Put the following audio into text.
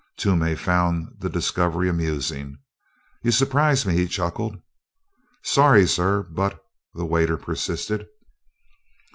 Toomey found the discovery amusing. "You s'prise me," he chuckled. "Sorry, sir, but " the waiter persisted.